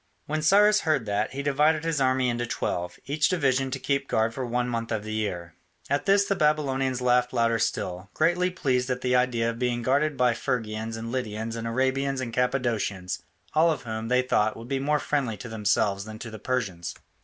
When Cyrus heard that, he divided his army into twelve, each division to keep guard for one month in the year. At this the Babylonians laughed louder still, greatly pleased at the idea of being guarded by Phrygians and Lydians and Arabians and Cappadocians, all of whom, they thought, would be more friendly to themselves than to the Persians.